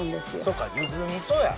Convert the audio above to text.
そっかゆずみそや！